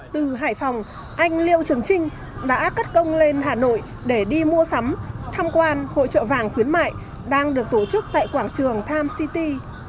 từ hải phòng anh liêu trường trinh đã cất công lên hà nội để đi mua sắm tham quan hội trợ vàng khuyến mại đang được tổ chức tại quảng trường time city